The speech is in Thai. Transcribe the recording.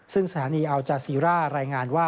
ซึ่งสถานีอัลจาซีร่ารายงานว่า